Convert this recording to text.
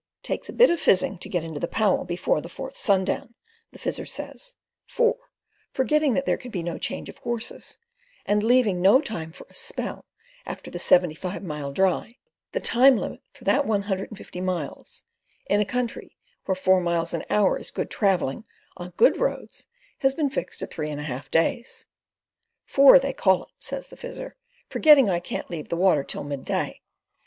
"Takes a bit of fizzing to get into the Powell before the fourth sundown," the Fizzer says—for, forgetting that there can be no change of horses, and leaving no time for a "spell" after the "seventy five mile dry "—the time limit for that one hundred and fifty miles, in a country where four miles an hour is good travelling on good roads has been fixed at three and a half days. "Four, they call it," says the Fizzer, "forgetting I can't leave the water till midday.